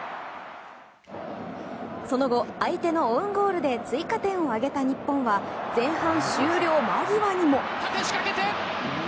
その後、相手のオウンゴールで追加点を挙げた日本は前半終了間際にも。